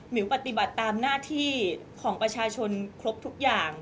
ปฏิบัติตามหน้าที่ของประชาชนครบทุกอย่าง